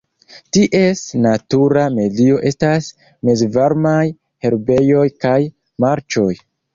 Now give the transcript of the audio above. Ties natura medio estas mezvarmaj herbejoj kaj marĉoj.